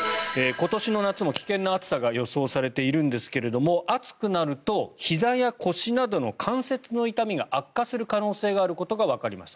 今年も夏も危険な暑さが予想されているんですが暑くなるとひざや腰などの関節の痛みが悪化する可能性があることがわかりました。